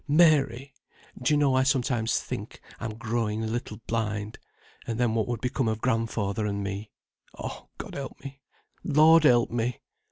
Mary! do you know I sometimes think I'm growing a little blind, and then what would become of grandfather and me? Oh, God help me, Lord help me!"